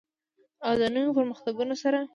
او د نویو پرمختګونو سره.